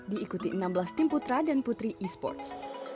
diikuti enam belas tim putra dan putri esports